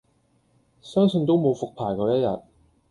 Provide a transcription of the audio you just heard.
相信都無復牌果一日